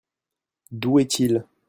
D'où est-il ?